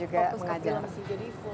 kadang kadang ngajar tapi udah gak kayak dulu